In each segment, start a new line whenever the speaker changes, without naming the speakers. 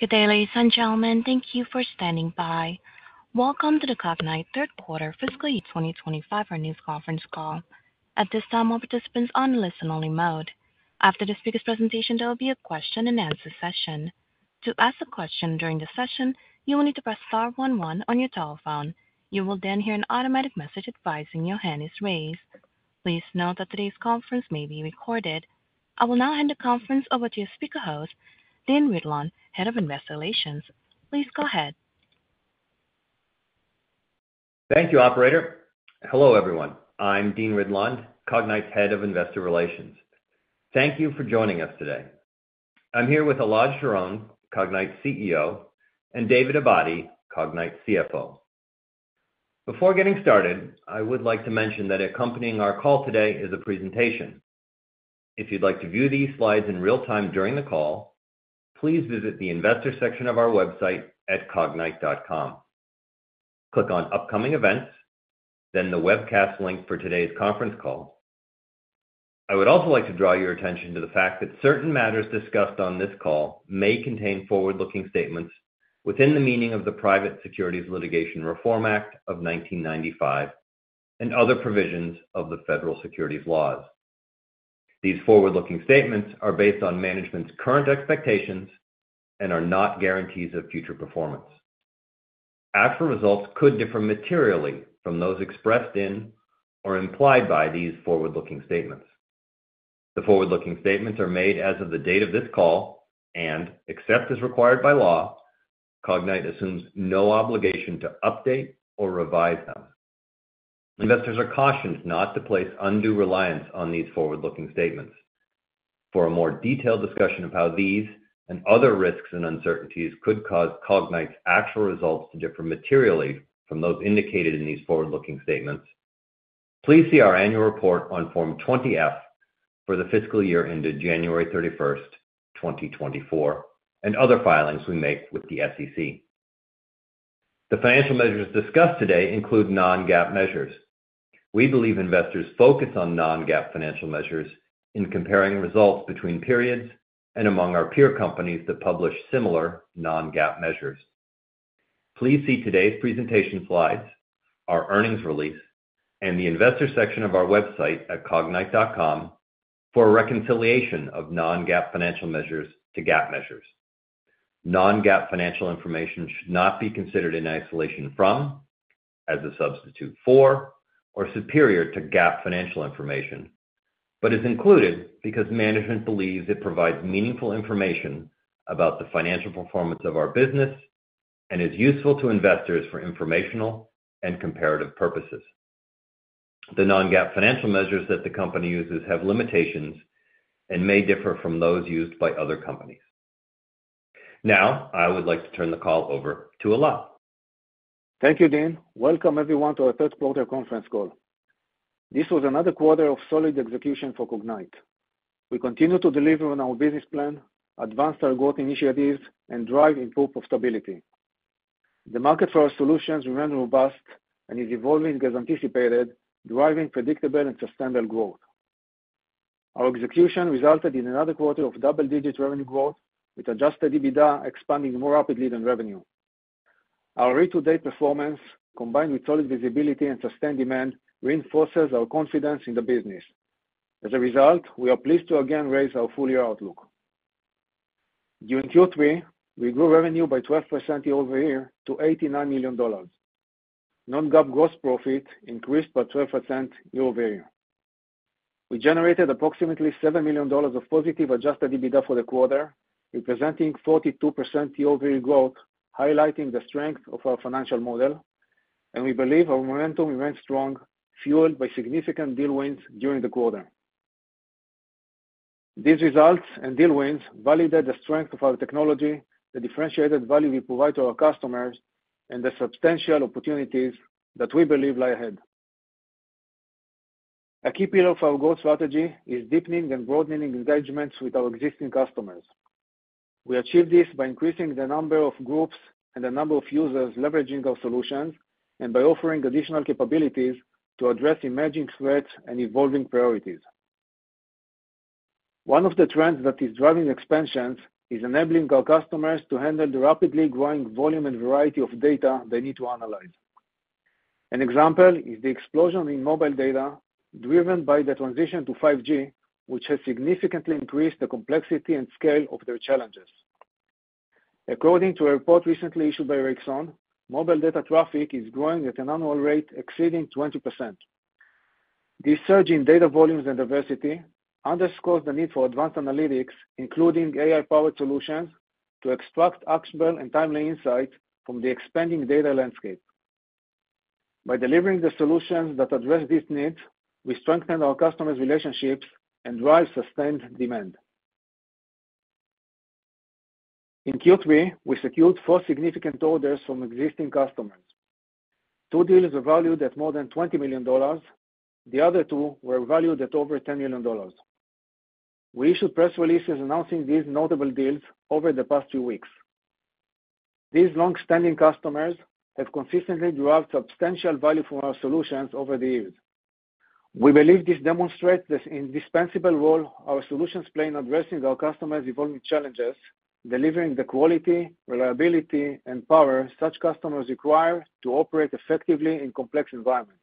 Good day, ladies and gentlemen. Thank you for standing by. Welcome to the Cognyte Q3 Fiscal 2025 Earnings Conference Call. At this time, all participants are on a listen-only mode. After the speaker's presentation, there will be a question-and-answer session. To ask a question during the session, you will need to press star 11 on your telephone. You will then hear an automatic message advising your hand is raised. Please note that today's conference may be recorded. I will now hand the conference over to your speaker host, Dean Ridlon, Head of Investor Relations. Please go ahead.
Thank you, Operator. Hello, everyone. I'm Dean Ridlon, Cognyte's Head of Investor Relations. Thank you for joining us today. I'm here with Elad Sharon, Cognyte CEO, and David Abadi, Cognyte CFO. Before getting started, I would like to mention that accompanying our call today is a presentation. If you'd like to view these slides in real time during the call, please visit the investor section of our website at cognyte.com. Click on Upcoming Events, then the webcast link for today's conference call. I would also like to draw your attention to the fact that certain matters discussed on this call may contain forward-looking statements within the meaning of the Private Securities Litigation Reform Act of 1995 and other provisions of the federal securities laws. These forward-looking statements are based on management's current expectations and are not guarantees of future performance. Actual results could differ materially from those expressed in or implied by these forward-looking statements. The forward-looking statements are made as of the date of this call and, except as required by law, Cognyte assumes no obligation to update or revise them. Investors are cautioned not to place undue reliance on these forward-looking statements. For a more detailed discussion of how these and other risks and uncertainties could cause Cognyte's actual results to differ materially from those indicated in these forward-looking statements, please see our annual report on Form 20-F for the fiscal year ended January 31st, 2024, and other filings we make with the SEC. The financial measures discussed today include non-GAAP measures. We believe investors focus on non-GAAP financial measures in comparing results between periods and among our peer companies that publish similar non-GAAP measures. Please see today's presentation slides, our earnings release, and the investor section of our website at cognyte.com for a reconciliation of non-GAAP financial measures to GAAP measures. Non-GAAP financial information should not be considered in isolation from, as a substitute for, or superior to GAAP financial information, but is included because management believes it provides meaningful information about the financial performance of our business and is useful to investors for informational and comparative purposes. The non-GAAP financial measures that the company uses have limitations and may differ from those used by other companies. Now, I would like to turn the call over to Elad.
Thank you, Dean. Welcome, everyone, to our Q3 Conference call. This was another quarter of solid execution for Cognyte. We continue to deliver on our business plan, advance our growth initiatives, and drive improved profitability. The market for our solutions remains robust and is evolving as anticipated, driving predictable and sustainable growth. Our execution resulted in another quarter of double-digit revenue growth, with adjusted EBITDA expanding more rapidly than revenue. Our year-to-date performance, combined with solid visibility and sustained demand, reinforces our confidence in the business. As a result, we are pleased to again raise our full-year outlook. During Q3, we grew revenue by 12% year-over-year to $89 million. Non-GAAP gross profit increased by 12% year-over-year. We generated approximately $7 million of positive adjusted EBITDA for the quarter, representing 42% year-over-year growth, highlighting the strength of our financial model. And we believe our momentum remained strong, fueled by significant deal wins during the quarter. These results and deal wins validate the strength of our technology, the differentiated value we provide to our customers, and the substantial opportunities that we believe lie ahead. A key pillar of our growth strategy is deepening and broadening engagements with our existing customers. We achieve this by increasing the number of groups and the number of users leveraging our solutions and by offering additional capabilities to address emerging threats and evolving priorities. One of the trends that is driving expansions is enabling our customers to handle the rapidly growing volume and variety of data they need to analyze. An example is the explosion in mobile data driven by the transition to 5G, which has significantly increased the complexity and scale of their challenges. According to a report recently issued by Ericsson, mobile data traffic is growing at an annual rate exceeding 20%. This surge in data volumes and diversity underscores the need for advanced analytics, including AI-powered solutions, to extract actionable and timely insights from the expanding data landscape. By delivering the solutions that address these needs, we strengthen our customers' relationships and drive sustained demand. In Q3, we secured four significant orders from existing customers. Two deals were valued at more than $20 million. The other two were valued at over $10 million. We issued press releases announcing these notable deals over the past few weeks. These long-standing customers have consistently derived substantial value from our solutions over the years. We believe this demonstrates the indispensable role our solutions play in addressing our customers' evolving challenges, delivering the quality, reliability, and power such customers require to operate effectively in complex environments.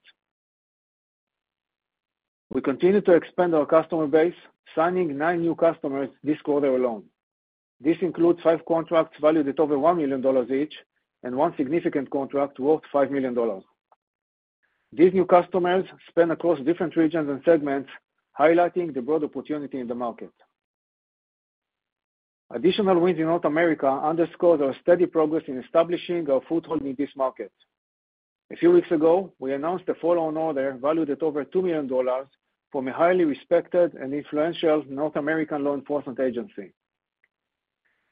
We continue to expand our customer base, signing nine new customers this quarter alone. This includes five contracts valued at over $1 million each and one significant contract worth $5 million. These new customers span across different regions and segments, highlighting the broad opportunity in the market. Additional wins in North America underscore our steady progress in establishing our foothold in this market. A few weeks ago, we announced a follow-on order valued at over $2 million from a highly respected and influential North American law enforcement agency.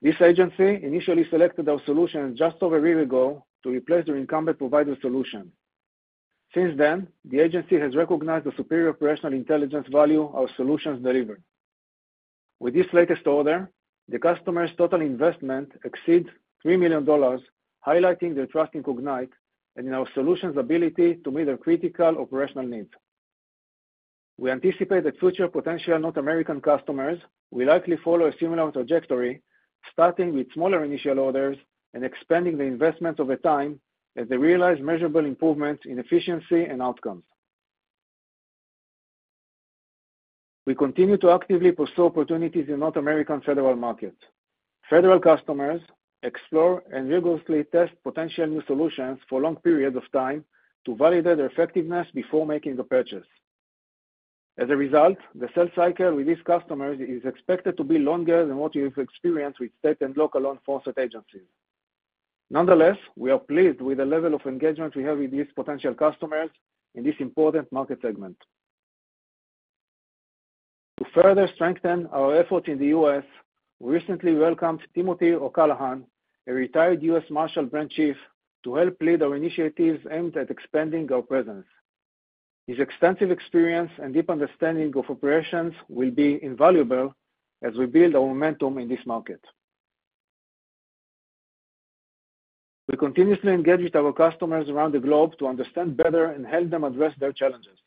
This agency initially selected our solution just over a year ago to replace their incumbent provider solution. Since then, the agency has recognized the superior operational intelligence value our solutions deliver. With this latest order, the customer's total investment exceeds $3 million, highlighting their trust in Cognyte and in our solution's ability to meet their critical operational needs. We anticipate that future potential North American customers will likely follow a similar trajectory, starting with smaller initial orders and expanding their investments over time as they realize measurable improvements in efficiency and outcomes. We continue to actively pursue opportunities in North American federal markets. Federal customers explore and rigorously test potential new solutions for long periods of time to validate their effectiveness before making a purchase. As a result, the sales cycle with these customers is expected to be longer than what we have experienced with state and local law enforcement agencies. Nonetheless, we are pleased with the level of engagement we have with these potential customers in this important market segment. To further strengthen our efforts in the U.S., we recently welcomed Timothy O'Callahan, a retired U.S. Marshal branch chief, to help lead our initiatives aimed at expanding our presence. His extensive experience and deep understanding of operations will be invaluable as we build our momentum in this market. We continuously engage with our customers around the globe to understand better and help them address their challenges.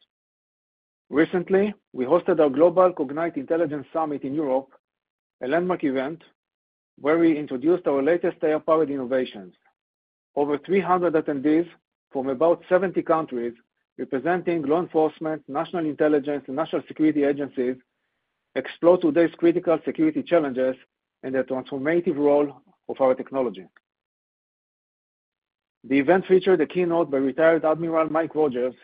Recently, we hosted our Global Cognyte Intelligence Summit in Europe, a landmark event where we introduced our latest AI-powered innovations. Over 300 attendees from about 70 countries representing law enforcement, national intelligence, and national security agencies explored today's critical security challenges and the transformative role of our technology. The event featured a keynote by retired Admiral Mike Rogers,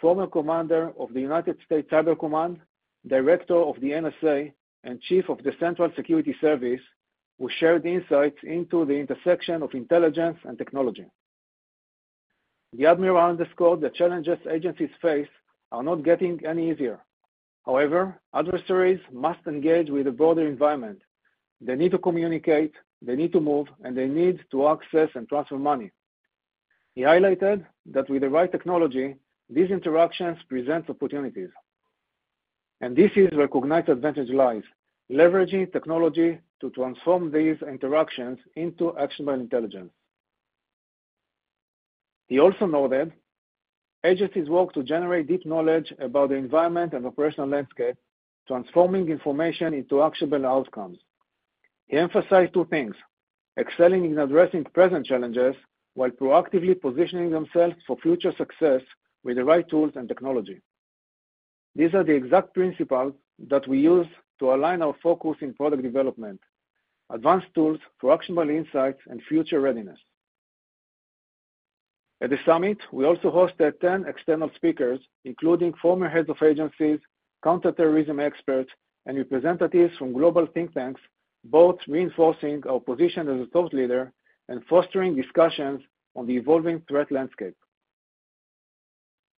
former commander of the United States Cyber Command, director of the NSA, and chief of the Central Security Service, who shared insights into the intersection of intelligence and technology. The Admiral underscored that the challenges agencies face are not getting any easier. However, adversaries must engage with a broader environment. They need to communicate, they need to move, and they need to access and transfer money. He highlighted that with the right technology, these interactions present opportunities. And this is where Cognyte's advantage lies, leveraging technology to transform these interactions into actionable intelligence. He also noted agencies work to generate deep knowledge about the environment and operational landscape, transforming information into actionable outcomes. He emphasized two things: excelling in addressing present challenges while proactively positioning themselves for future success with the right tools and technology. These are the exact principles that we use to align our focus in product development: advanced tools for actionable insights and future readiness. At the summit, we also hosted 10 external speakers, including former heads of agencies, counter-terrorism experts, and representatives from global think tanks, both reinforcing our position as a thought leader and fostering discussions on the evolving threat landscape.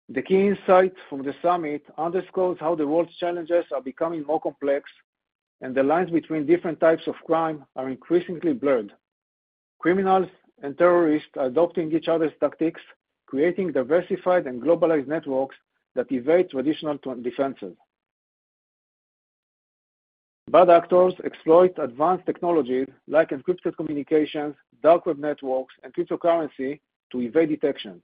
The key insights from the summit underscore how the world's challenges are becoming more complex and the lines between different types of crime are increasingly blurred. Criminals and terrorists are adopting each other's tactics, creating diversified and globalized networks that evade traditional defenses. Bad actors exploit advanced technologies like encrypted communications, dark web networks, and cryptocurrency to evade detection.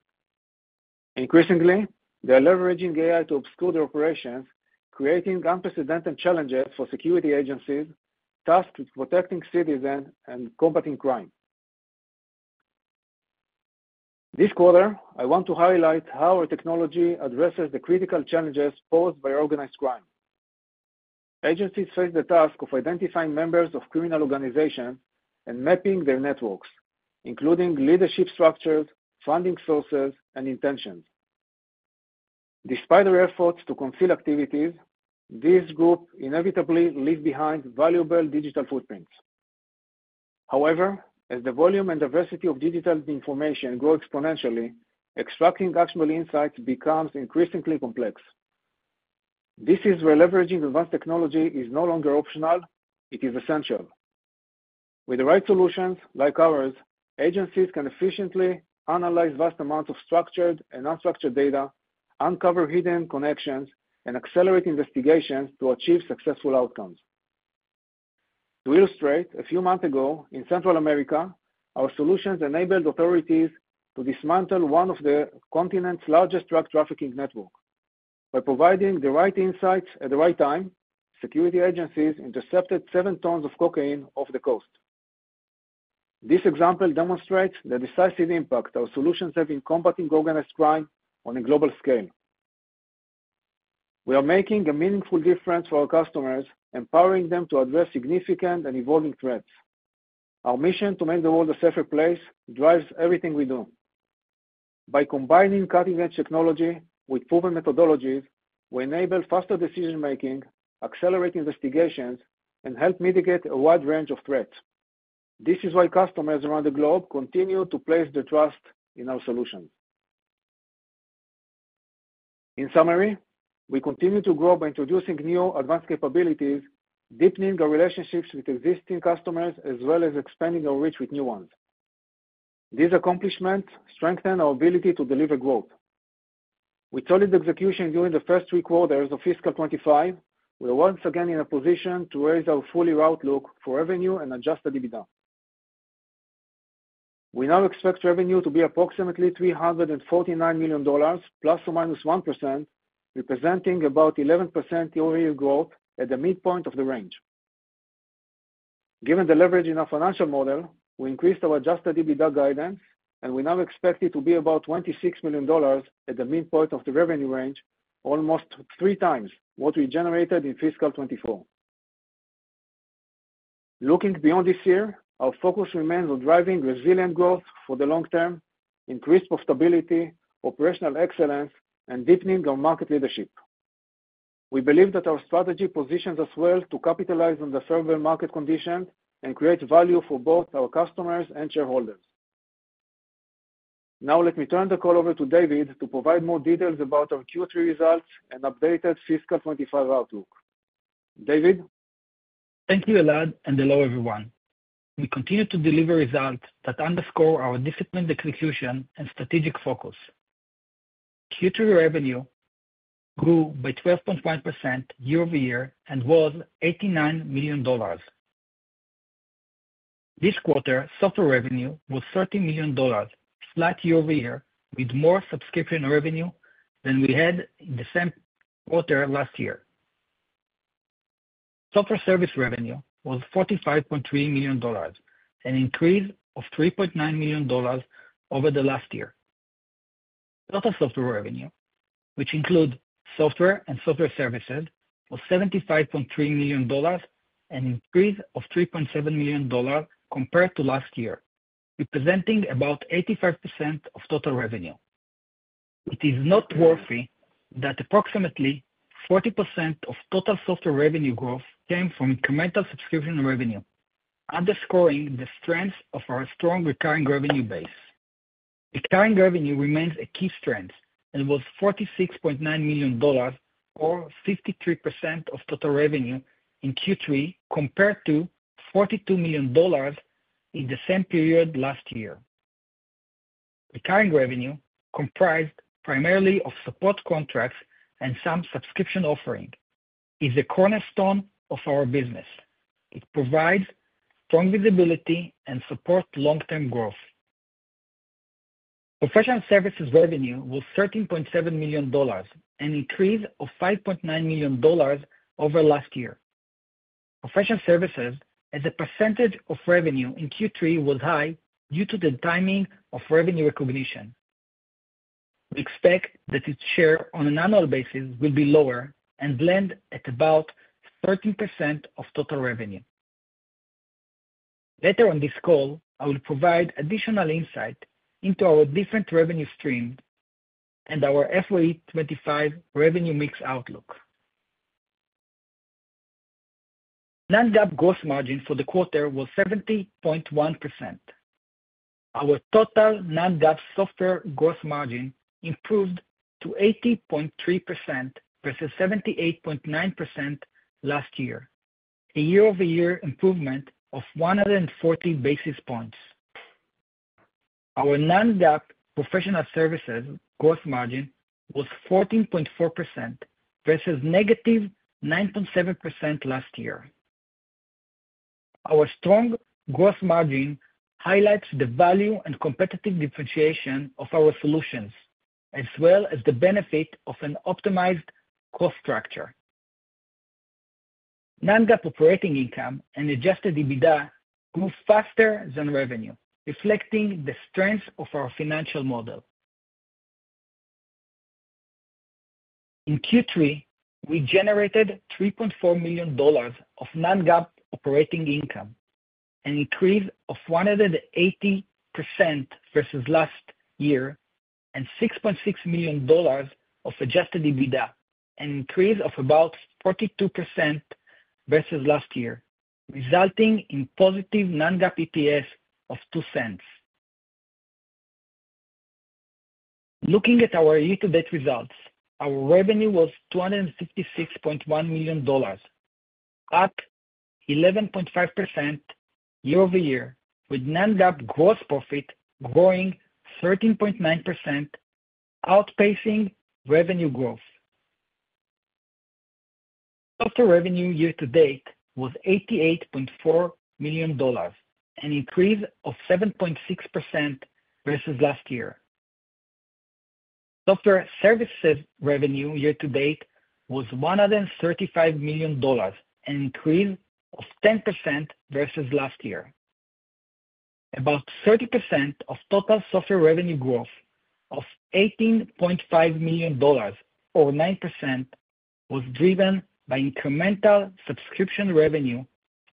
Increasingly, they are leveraging AI to obscure their operations, creating unprecedented challenges for security agencies tasked with protecting citizens and combating crime. This quarter, I want to highlight how our technology addresses the critical challenges posed by organized crime. Agencies face the task of identifying members of criminal organizations and mapping their networks, including leadership structures, funding sources, and intentions. Despite our efforts to conceal activities, these groups inevitably leave behind valuable digital footprints. However, as the volume and diversity of digital information grow exponentially, extracting actionable insights becomes increasingly complex. This is where leveraging advanced technology is no longer optional. It is essential. With the right solutions like ours, agencies can efficiently analyze vast amounts of structured and unstructured data, uncover hidden connections, and accelerate investigations to achieve successful outcomes. To illustrate, a few months ago in Central America, our solutions enabled authorities to dismantle one of the continent's largest drug trafficking networks. By providing the right insights at the right time, security agencies intercepted seven tons of cocaine off the coast. This example demonstrates the decisive impact our solutions have in combating organized crime on a global scale. We are making a meaningful difference for our customers, empowering them to address significant and evolving threats. Our mission to make the world a safer place drives everything we do. By combining cutting-edge technology with proven methodologies, we enable faster decision-making, accelerate investigations, and help mitigate a wide range of threats. This is why customers around the globe continue to place their trust in our solutions. In summary, we continue to grow by introducing new advanced capabilities, deepening our relationships with existing customers, as well as expanding our reach with new ones. These accomplishments strengthen our ability to deliver growth. With solid execution during the first three quarters of fiscal 2025, we are once again in a position to raise our full-year outlook for revenue and Adjusted EBITDA. We now expect revenue to be approximately $349 million, plus or minus 1%, representing about 11% year-over-year growth at the midpoint of the range. Given the leverage in our financial model, we increased our Adjusted EBITDA guidance, and we now expect it to be about $26 million at the midpoint of the revenue range, almost three times what we generated in fiscal 2024. Looking beyond this year, our focus remains on driving resilient growth for the long term, increased profitability, operational excellence, and deepening our market leadership. We believe that our strategy positions us well to capitalize on the favorable market conditions and create value for both our customers and shareholders. Now, let me turn the call over to David to provide more details about our Q3 results and updated fiscal 25 outlook. David?
Thank you, Elad, and hello, everyone. We continue to deliver results that underscore our disciplined execution and strategic focus. Q3 revenue grew by 12.1% year-over-year and was $89 million. This quarter, software revenue was $30 million, slight year-over-year, with more subscription revenue than we had in the same quarter last year. Software services revenue was $45.3 million, an increase of $3.9 million over the last year. Total software revenue, which includes software and software services, was $75.3 million and an increase of $3.7 million compared to last year, representing about 85% of total revenue. It is noteworthy that approximately 40% of total software revenue growth came from incremental subscription revenue, underscoring the strength of our strong recurring revenue base. Recurring revenue remains a key strength and was $46.9 million, or 53% of total revenue in Q3, compared to $42 million in the same period last year. Recurring revenue, comprised primarily of support contracts and some subscription offering, is a cornerstone of our business. It provides strong visibility and supports long-term growth. Professional services revenue was $13.7 million and an increase of $5.9 million over last year. Professional services, as a percentage of revenue in Q3, was high due to the timing of revenue recognition. We expect that its share on an annual basis will be lower and land at about 13% of total revenue. Later on this call, I will provide additional insight into our different revenue streams and our FY25 revenue mix outlook. Non-GAAP gross margin for the quarter was 70.1%. Our total non-GAAP software gross margin improved to 80.3% versus 78.9% last year, a year-over-year improvement of 140 basis points. Our non-GAAP professional services gross margin was 14.4% versus negative 9.7% last year. Our strong gross margin highlights the value and competitive differentiation of our solutions, as well as the benefit of an optimized cost structure. Non-GAAP operating income and Adjusted EBITDA grew faster than revenue, reflecting the strength of our financial model. In Q3, we generated $3.4 million of Non-GAAP operating income, an increase of 180% versus last year, and $6.6 million of Adjusted EBITDA, an increase of about 42% versus last year, resulting in positive Non-GAAP EPS of $0.02. Looking at our year-to-date results, our revenue was $266.1 million, up 11.5% year-over-year, with Non-GAAP gross profit growing 13.9%, outpacing revenue growth. Software revenue year-to-date was $88.4 million, an increase of 7.6% versus last year. Software services revenue year-to-date was $135 million, an increase of 10% versus last year. About 30% of total software revenue growth of $18.5 million, or 9%, was driven by incremental subscription revenue,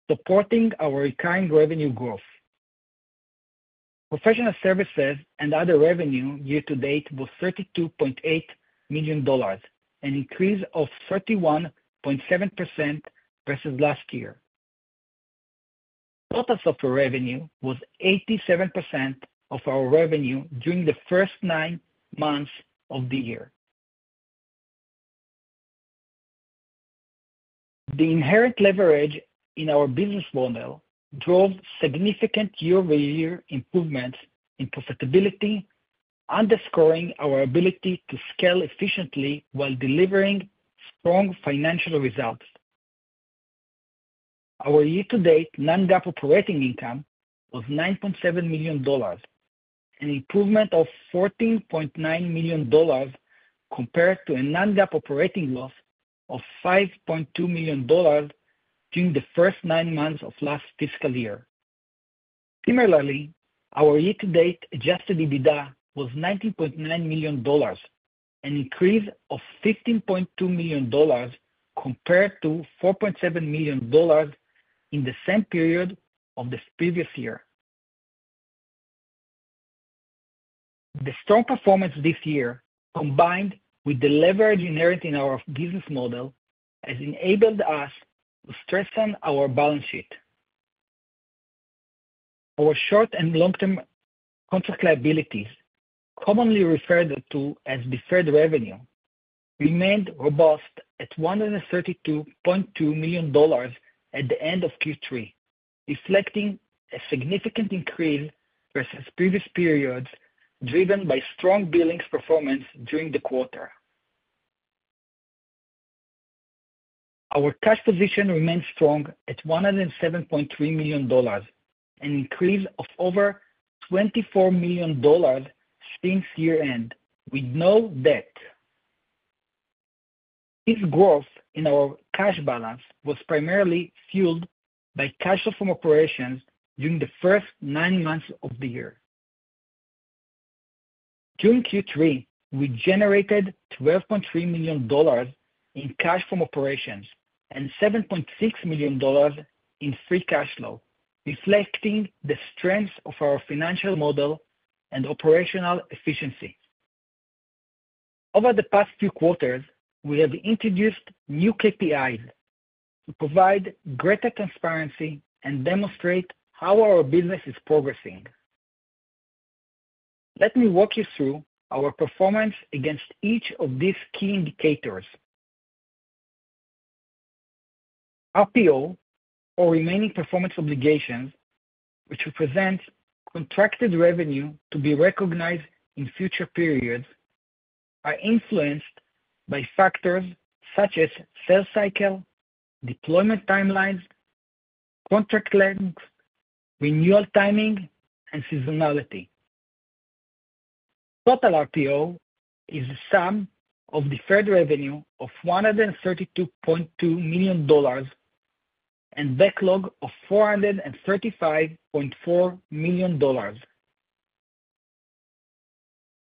supporting our recurring revenue growth. Professional services and other revenue year-to-date was $32.8 million, an increase of 31.7% versus last year. Total software revenue was 87% of our revenue during the first nine months of the year. The inherent leverage in our business model drove significant year-over-year improvements in profitability, underscoring our ability to scale efficiently while delivering strong financial results. Our year-to-date Non-GAAP operating income was $9.7 million, an improvement of $14.9 million compared to a Non-GAAP operating loss of $5.2 million during the first nine months of last fiscal year. Similarly, our year-to-date Adjusted EBITDA was $19.9 million, an increase of $15.2 million compared to $4.7 million in the same period of the previous year. The strong performance this year, combined with the leverage inherent in our business model, has enabled us to strengthen our balance sheet. Our short and long-term contract liabilities, commonly referred to as deferred revenue, remained robust at $132.2 million at the end of Q3, reflecting a significant increase versus previous periods driven by strong billing performance during the quarter. Our cash position remains strong at $107.3 million, an increase of over $24 million since year-end, with no debt. This growth in our cash balance was primarily fueled by cash flow from operations during the first nine months of the year. During Q3, we generated $12.3 million in cash from operations and $7.6 million in free cash flow, reflecting the strength of our financial model and operational efficiency. Over the past few quarters, we have introduced new KPIs to provide greater transparency and demonstrate how our business is progressing. Let me walk you through our performance against each of these key indicators. RPO, or remaining performance obligations, which represent contracted revenue to be recognized in future periods, are influenced by factors such as sales cycle, deployment timelines, contract length, renewal timing, and seasonality. Total RPO is the sum of deferred revenue of $132.2 million and backlog of $435.4 million.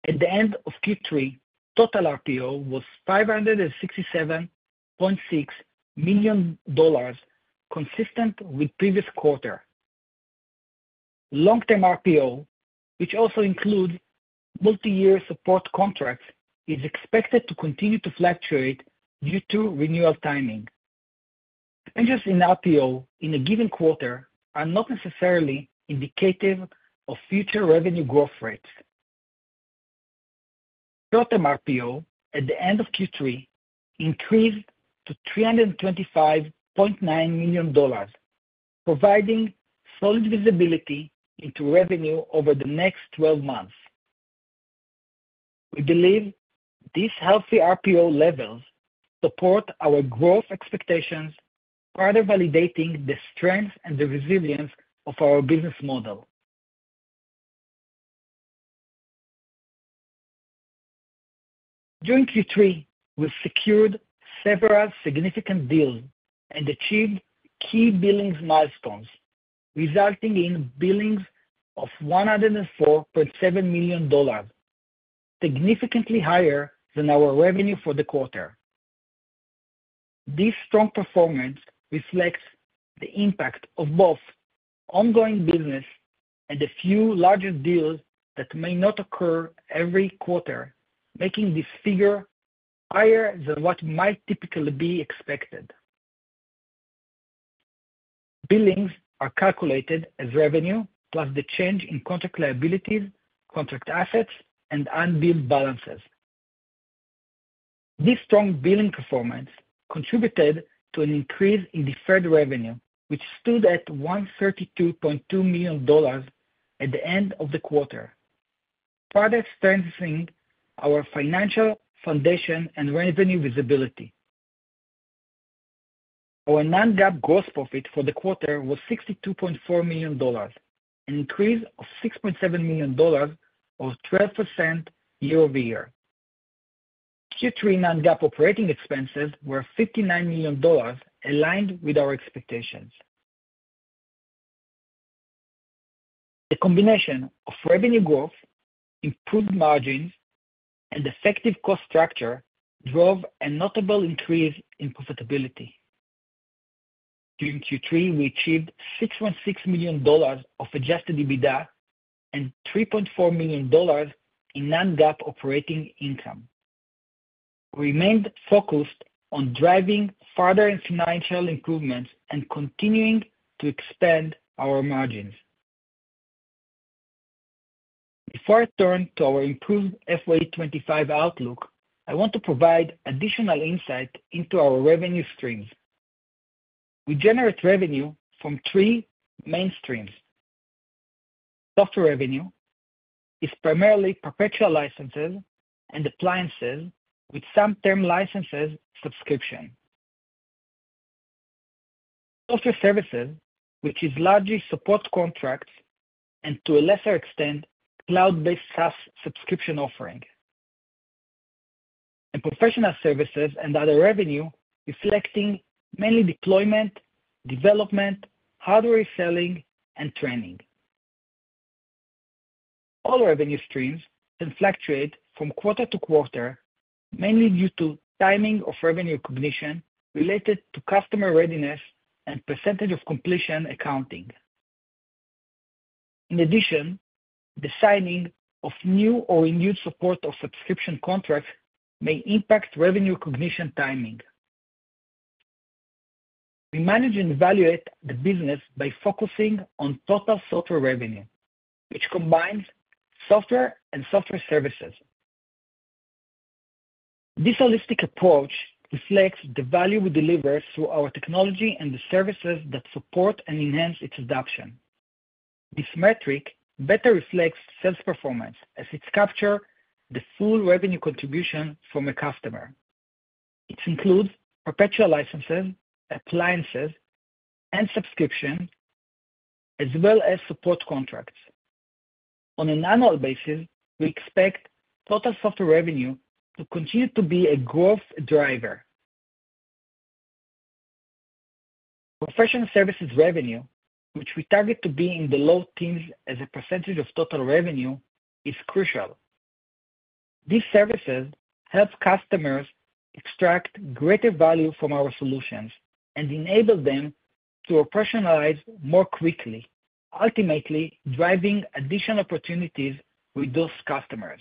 At the end of Q3, total RPO was $567.6 million, consistent with the previous quarter. Long-term RPO, which also includes multi-year support contracts, is expected to continue to fluctuate due to renewal timing. Changes in RPO in a given quarter are not necessarily indicative of future revenue growth rates. Short-term RPO, at the end of Q3, increased to $325.9 million, providing solid visibility into revenue over the next 12 months. We believe these healthy RPO levels support our growth expectations, further validating the strength and resilience of our business model. During Q3, we secured several significant deals and achieved key billing milestones, resulting in billings of $104.7 million, significantly higher than our revenue for the quarter. This strong performance reflects the impact of both ongoing business and a few larger deals that may not occur every quarter, making this figure higher than what might typically be expected. Billings are calculated as revenue plus the change in contract liabilities, contract assets, and unbilled balances. This strong billing performance contributed to an increase in deferred revenue, which stood at $132.2 million at the end of the quarter, further strengthening our financial foundation and revenue visibility. Our non-GAAP gross profit for the quarter was $62.4 million, an increase of $6.7 million, or 12% year-over-year. Q3 non-GAAP operating expenses were $59 million, aligned with our expectations. The combination of revenue growth, improved margins, and effective cost structure drove a notable increase in profitability. During Q3, we achieved $6.6 million of adjusted EBITDA and $3.4 million in non-GAAP operating income. We remained focused on driving further financial improvements and continuing to expand our margins. Before I turn to our improved FY25 outlook, I want to provide additional insight into our revenue streams. We generate revenue from three main streams. Software revenue is primarily perpetual licenses and appliances, with some term licenses subscription. Software services, which is largely support contracts and, to a lesser extent, cloud-based SaaS subscription offering, and professional services and other revenue, reflecting mainly deployment, development, hardware reselling, and training. All revenue streams can fluctuate from quarter-to-quarter, mainly due to timing of revenue recognition related to customer readiness and percentage of completion accounting. In addition, the signing of new or renewed support or subscription contracts may impact revenue recognition timing. We manage and evaluate the business by focusing on total software revenue, which combines software and software services. This holistic approach reflects the value we deliver through our technology and the services that support and enhance its adoption. This metric better reflects sales performance, as it captures the full revenue contribution from a customer. It includes perpetual licenses, appliances, and subscriptions, as well as support contracts. On an annual basis, we expect total software revenue to continue to be a growth driver. Professional services revenue, which we target to be in the low teens% of total revenue, is crucial. These services help customers extract greater value from our solutions and enable them to operationalize more quickly, ultimately driving additional opportunities with those customers.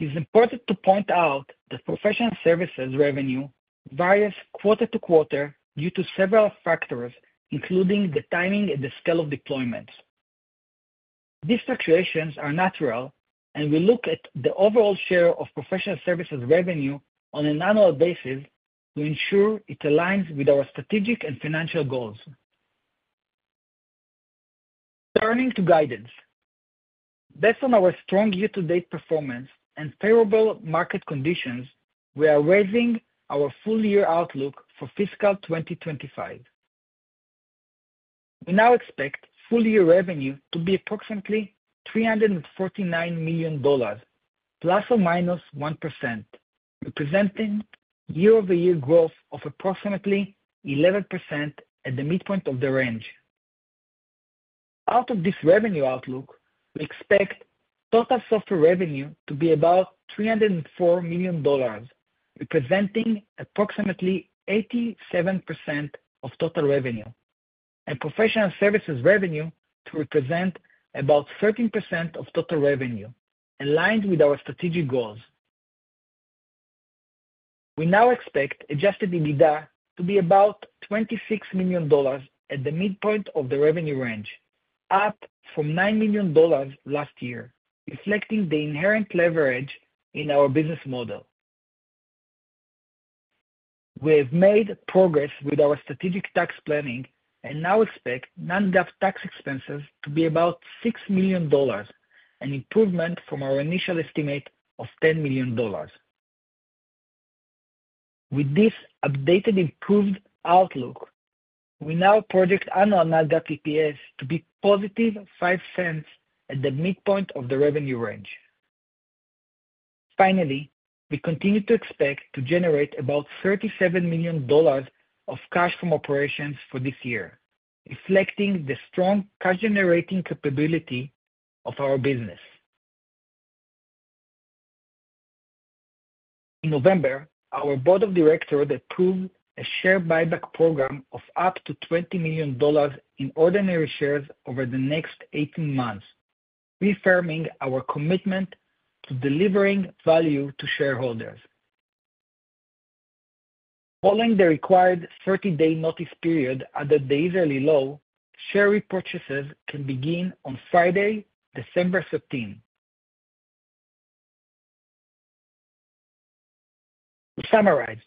It is important to point out that professional services revenue varies quarter to quarter due to several factors, including the timing and the scale of deployments. These fluctuations are natural, and we look at the overall share of professional services revenue on an annual basis to ensure it aligns with our strategic and financial goals. Turning to guidance. Based on our strong year-to-date performance and favorable market conditions, we are raising our full-year outlook for fiscal 2025. We now expect full-year revenue to be approximately $349 million, plus or minus 1%, representing year-over-year growth of approximately 11% at the midpoint of the range. Out of this revenue outlook, we expect total software revenue to be about $304 million, representing approximately 87% of total revenue, and professional services revenue to represent about 13% of total revenue, aligned with our strategic goals. We now expect adjusted EBITDA to be about $26 million at the midpoint of the revenue range, up from $9 million last year, reflecting the inherent leverage in our business model. We have made progress with our strategic tax planning and now expect non-GAAP tax expenses to be about $6 million, an improvement from our initial estimate of $10 million. With this updated improved outlook, we now project annual non-GAAP EPS to be positive $0.05 at the midpoint of the revenue range. Finally, we continue to expect to generate about $37 million of cash from operations for this year, reflecting the strong cash-generating capability of our business. In November, our Board of Directors approved a share buyback program of up to $20 million in ordinary shares over the next 18 months, reaffirming our commitment to delivering value to shareholders. Following the required 30-day notice period under Israeli law, share repurchases can begin on Friday, December 15. To summarize,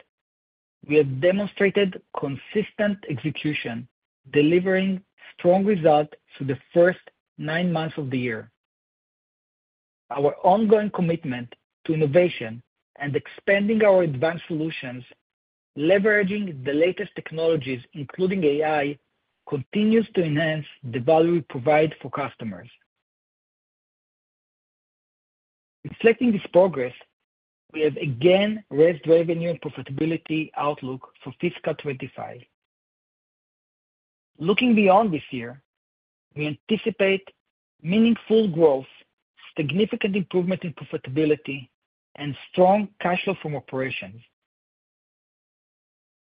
we have demonstrated consistent execution, delivering strong results through the first nine months of the year. Our ongoing commitment to innovation and expanding our advanced solutions, leveraging the latest technologies, including AI, continues to enhance the value we provide for customers. Reflecting this progress, we have again raised revenue and profitability outlook for fiscal 2025. Looking beyond this year, we anticipate meaningful growth, significant improvement in profitability, and strong cash flow from operations.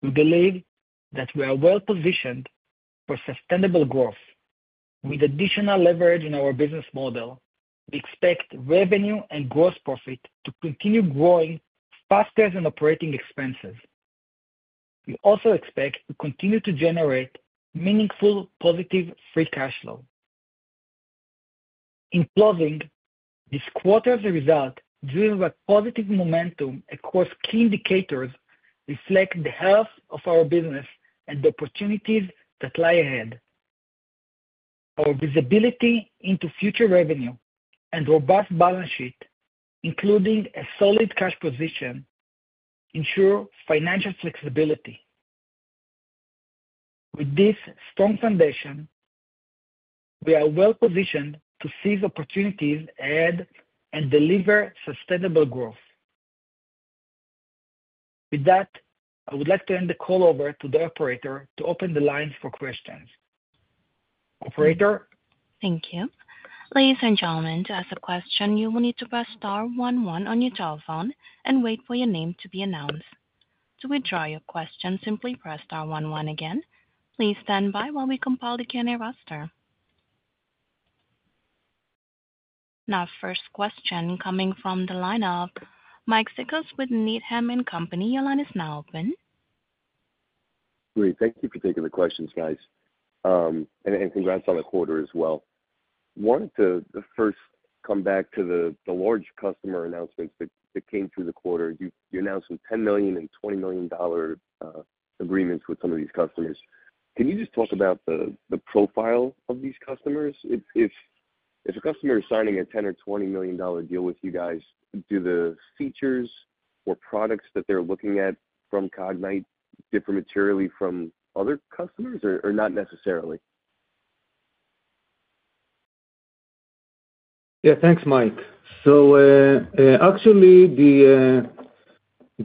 We believe that we are well-positioned for sustainable growth. With additional leverage in our business model, we expect revenue and gross profit to continue growing faster than operating expenses. We also expect to continue to generate meaningful positive free cash flow. In closing, this quarter's result, driven by positive momentum across key indicators, reflects the health of our business and the opportunities that lie ahead. Our visibility into future revenue and robust balance sheet, including a solid cash position, ensure financial flexibility. With this strong foundation, we are well-positioned to seize opportunities ahead and deliver sustainable growth. With that, I would like to hand the call over to the operator to open the lines for questions. Operator.
Thank you. Ladies and gentlemen, to ask a question, you will need to press star 11 on your telephone and wait for your name to be announced. To withdraw your question, simply press star 11 again. Please stand by while we compile the Q&A roster. Now, first question coming from the line of Mike Cikos with Needham & Company. Your line is now open.
Great. Thank you for taking the questions, guys, and congrats on the quarter as well. I wanted to first come back to the large customer announcements that came through the quarter. You announced some $10 million and $20 million agreements with some of these customers. Can you just talk about the profile of these customers? If a customer is signing a $10 or $20 million deal with you guys, do the features or products that they're looking at from Cognyte differ materially from other customers or not necessarily?
Yeah, thanks, Mike. So actually,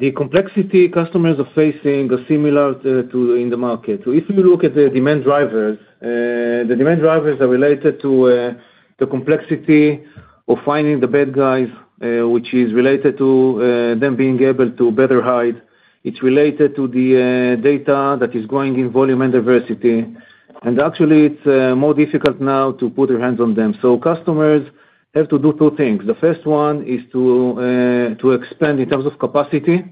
the complexity customers are facing is similar to in the market. So if you look at the demand drivers, the demand drivers are related to the complexity of finding the bad guys, which is related to them being able to better hide. It's related to the data that is growing in volume and diversity. And actually, it's more difficult now to put your hands on them. So customers have to do two things. The first one is to expand in terms of capacity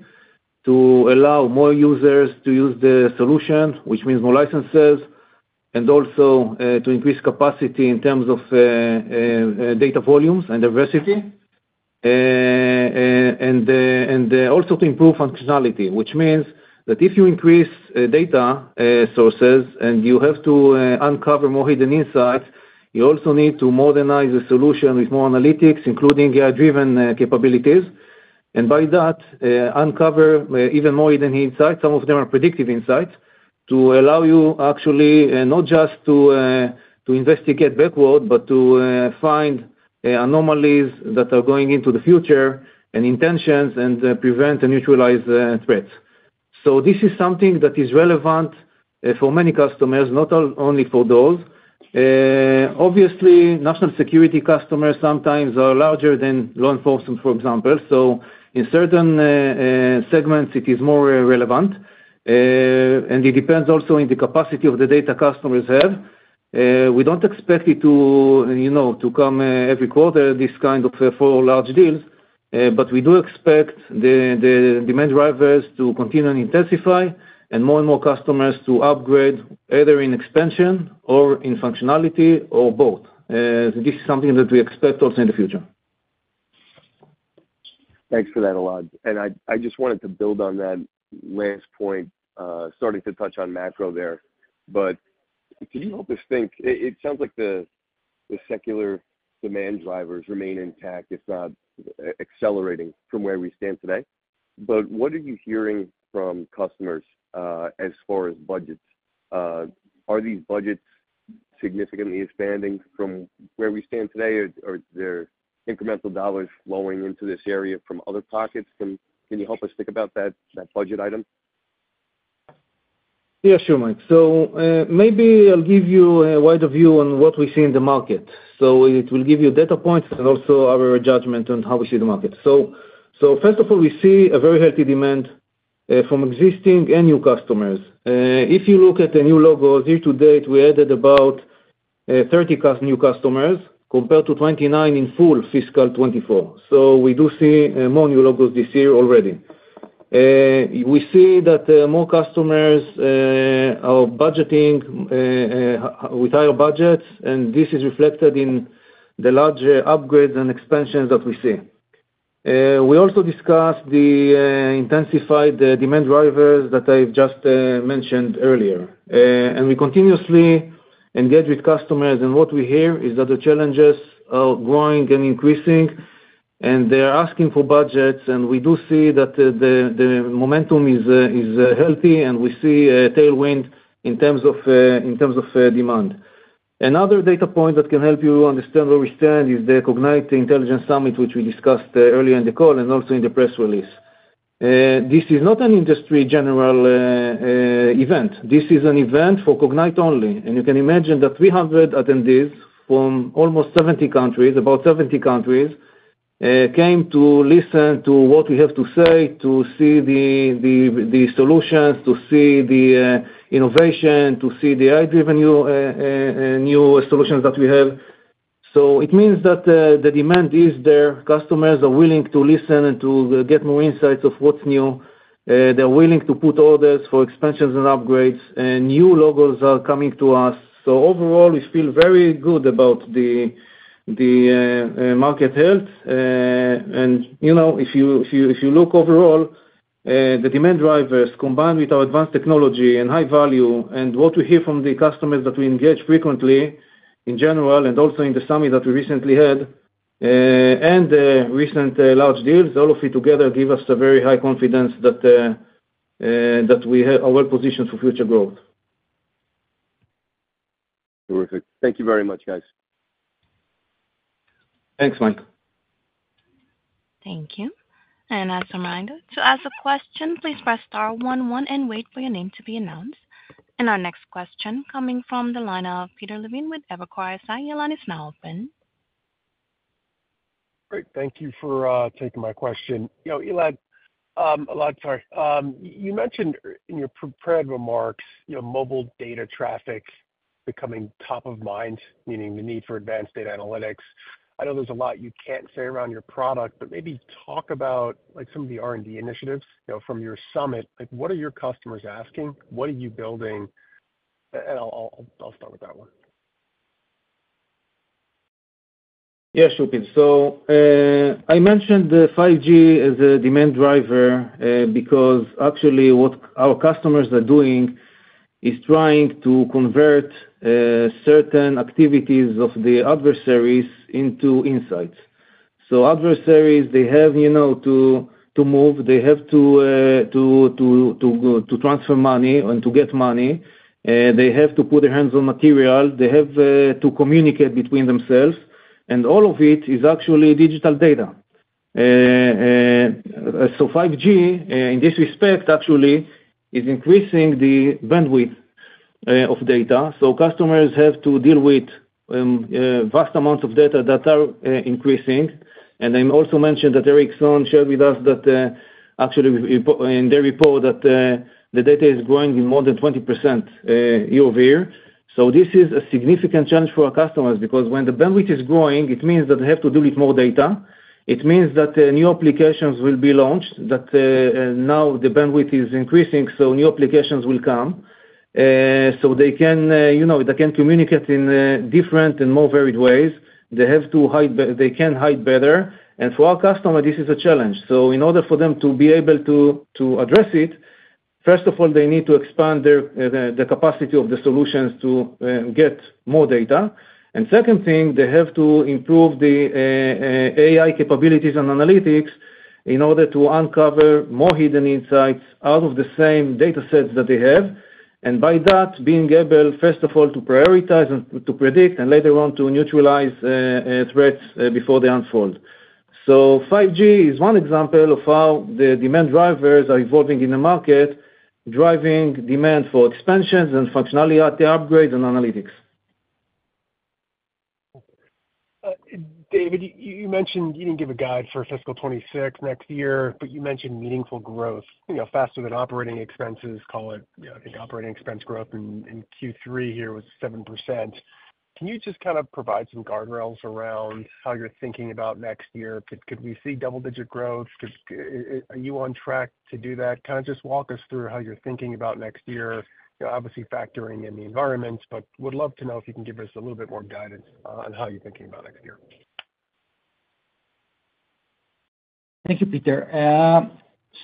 to allow more users to use the solution, which means more licenses, and also to increase capacity in terms of data volumes and diversity, and also to improve functionality, which means that if you increase data sources and you have to uncover more hidden insights, you also need to modernize the solution with more analytics, including AI-driven capabilities. By that, uncover even more hidden insights. Some of them are predictive insights to allow you actually not just to investigate backward, but to find anomalies that are going into the future and intentions and prevent and neutralize threats. So this is something that is relevant for many customers, not only for those. Obviously, national security customers sometimes are larger than law enforcement, for example. So in certain segments, it is more relevant. And it depends also on the capacity of the data customers have. We don't expect it to come every quarter, this kind of four large deals, but we do expect the demand drivers to continue and intensify and more and more customers to upgrade, either in expansion or in functionality or both. This is something that we expect also in the future.
Thanks for that a lot. I just wanted to build on that last point, starting to touch on macro there. Can you help us think? It sounds like the secular demand drivers remain intact, if not accelerating from where we stand today. What are you hearing from customers as far as budgets? Are these budgets significantly expanding from where we stand today, or are there incremental dollars flowing into this area from other pockets? Can you help us think about that budget item?
Yeah, sure, Mike. Maybe I'll give you a wider view on what we see in the market. It will give you data points and also our judgment on how we see the market. First of all, we see a very healthy demand from existing and new customers. If you look at the new logos year to date, we added about 30 new customers compared to 29 in full fiscal 2024. So we do see more new logos this year already. We see that more customers are budgeting with higher budgets, and this is reflected in the large upgrades and expansions that we see. We also discussed the intensified demand drivers that I've just mentioned earlier. And we continuously engage with customers, and what we hear is that the challenges are growing and increasing, and they are asking for budgets. And we do see that the momentum is healthy, and we see a tailwind in terms of demand. Another data point that can help you understand where we stand is the Cognyte Intelligence Summit, which we discussed earlier in the call and also in the press release. This is not an industry general event. This is an event for Cognyte only, and you can imagine that 300 attendees from almost 70 countries, about 70 countries, came to listen to what we have to say, to see the solutions, to see the innovation, to see the AI-driven new solutions that we have, so it means that the demand is there. Customers are willing to listen and to get more insights of what's new. They're willing to put orders for expansions and upgrades. New logos are coming to us, so overall, we feel very good about the market health. And if you look overall, the demand drivers, combined with our advanced technology and high value, and what we hear from the customers that we engage frequently in general and also in the summit that we recently had, and the recent large deals, all of it together gives us a very high confidence that we are well-positioned for future growth.
Terrific. Thank you very much, guys.
Thanks, Mike.
Thank you. And as a reminder, to ask a question, please press star 11 and wait for your name to be announced. And our next question coming from the line of Peter Levine with Evercore ISI. The line is now open.
Great. Thank you for taking my question. Elad, sorry. You mentioned in your prepared remarks, mobile data traffic becoming top of mind, meaning the need for advanced data analytics. I know there's a lot you can't say around your product, but maybe talk about some of the R&D initiatives from your summit. What are your customers asking? What are you building? And I'll start with that one.
Yeah, sure. So I mentioned the 5G as a demand driver because actually what our customers are doing is trying to convert certain activities of the adversaries into insights. So adversaries, they have to move, they have to transfer money and to get money. They have to put their hands on material. They have to communicate between themselves. And all of it is actually digital data. So 5G, in this respect, actually is increasing the bandwidth of data. So customers have to deal with vast amounts of data that are increasing. I also mentioned that Ericsson shared with us that actually in their report that the data is growing in more than 20% year-over-year. So this is a significant challenge for our customers because when the bandwidth is growing, it means that they have to deal with more data. It means that new applications will be launched, that now the bandwidth is increasing, so new applications will come. So they can communicate in different and more varied ways. They can hide better. And for our customers, this is a challenge. So in order for them to be able to address it, first of all, they need to expand the capacity of the solutions to get more data. And second thing, they have to improve the AI capabilities and analytics in order to uncover more hidden insights out of the same data sets that they have. And by that, being able, first of all, to prioritize and to predict and later on to neutralize threats before they unfold. So 5G is one example of how the demand drivers are evolving in the market, driving demand for expansions and functionality upgrades and analytics.
David, you mentioned you didn't give a guide for fiscal 2026 next year, but you mentioned meaningful growth, faster than operating expenses, call it, I think operating expense growth in Q3 here was 7%. Can you just kind of provide some guardrails around how you're thinking about next year? Could we see double-digit growth? Are you on track to do that? Kind of just walk us through how you're thinking about next year, obviously factoring in the environment, but would love to know if you can give us a little bit more guidance on how you're thinking about next year.
Thank you, Peter.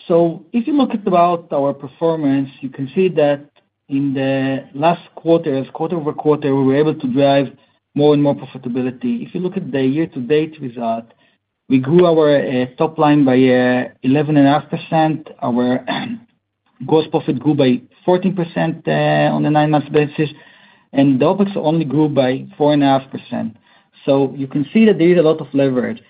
So if you look at our performance, you can see that in the last quarter, quarter-over-quarter, we were able to drive more and more profitability. If you look at the year-to-date result, we grew our top line by 11.5%. Our gross profit grew by 14% on a nine-month basis, and the OpEx only grew by 4.5%. So you can see that there is a lot of leverage.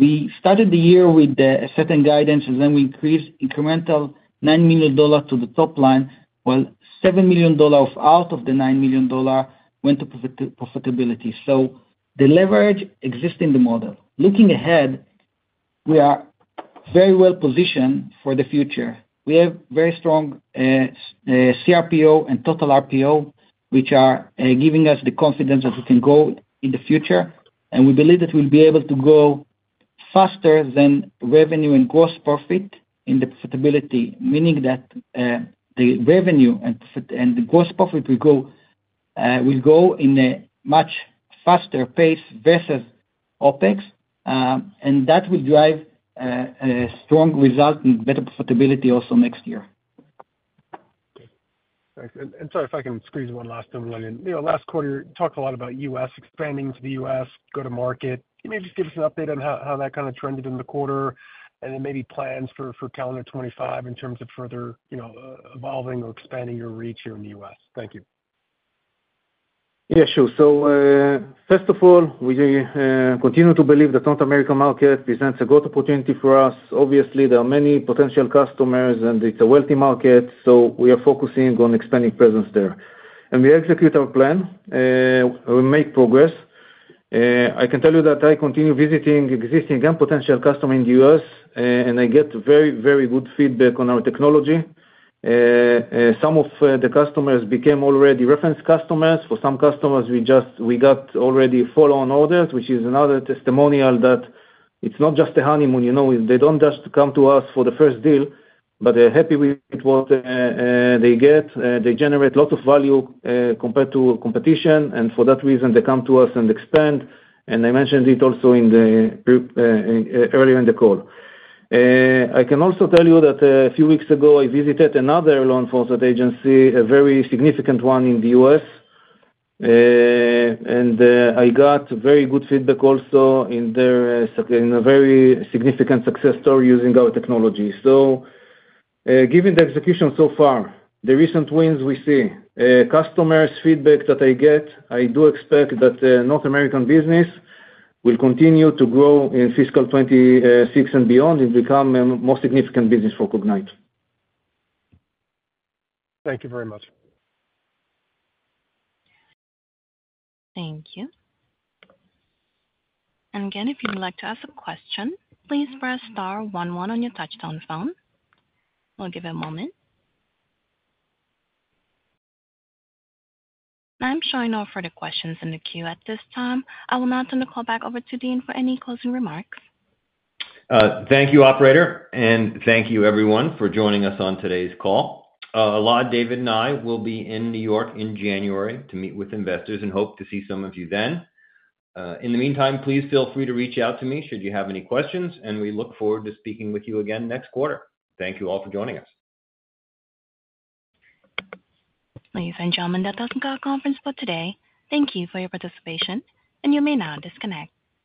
We started the year with a certain guidance, and then we increased incremental $9 million to the top line, while $7 million out of the $9 million went to profitability. So the leverage exists in the model. Looking ahead, we are very well-positioned for the future. We have very strong CRPO and total RPO, which are giving us the confidence that we can go in the future. And we believe that we'll be able to go faster than revenue and gross profit in the profitability, meaning that the revenue and the gross profit will go in a much faster pace versus OpEx. And that will drive a strong result and better profitability also next year.
Thanks. And sorry if I can squeeze one last thing, really quick. Last quarter, you talked a lot about U.S., expanding to the U.S., go to market. Can you maybe just give us an update on how that kind of trended in the quarter and then maybe plans for calendar 2025 in terms of further evolving or expanding your reach here in the U.S.? Thank you.
Yeah, sure. So first of all, we continue to believe that North America market presents a great opportunity for us. Obviously, there are many potential customers, and it's a wealthy market, so we are focusing on expanding presence there, and we execute our plan. We make progress. I can tell you that I continue visiting existing and potential customers in the U.S., and I get very, very good feedback on our technology. Some of the customers became already reference customers. For some customers, we got already follow-on orders, which is another testimonial that it's not just a honeymoon. They don't just come to us for the first deal, but they're happy with what they get. They generate lots of value compared to competition, and for that reason, they come to us and expand, and I mentioned it also earlier in the call. I can also tell you that a few weeks ago, I visited another law enforcement agency, a very significant one in the U.S., and I got very good feedback also in a very significant success story using our technology, so given the execution so far, the recent wins we see, customers' feedback that I get, I do expect that North American business will continue to grow in fiscal 2026 and beyond and become a more significant business for Cognyte.
Thank you very much. Thank you, and again, if you'd like to ask a question, please press star 11 on your touch-tone phone. We'll give you a moment. I'm showing no further questions in the queue at this time. I will now turn the call back over to Dean for any closing remarks.
Thank you, operator, and thank you, everyone, for joining us on today's call. Elad, David, and I will be in New York in January to meet with investors and hope to see some of you then. In the meantime, please feel free to reach out to me should you have any questions, and we look forward to speaking with you again next quarter. Thank you all for joining us.
Please note that does conclude the conference for today. Thank you for your participation, and you may now disconnect.